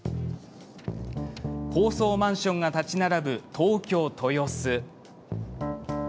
高層マンションが建ち並ぶ東京・豊洲。